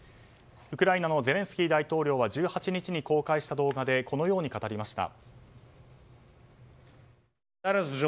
ウクライナのゼレンスキー大統領は１８日に公開した動画でこのように語りました。